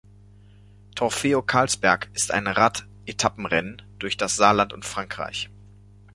Trofeo Karlsberg ist ein Rad-Etappenrennen durch das Saarland und Frankreich.